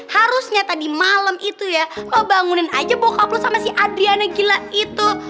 harusnya tadi malem itu ya lo bangunin aja bokap lo sama si adriana gila itu